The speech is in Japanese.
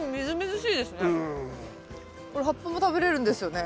これ葉っぱも食べれるんですよね？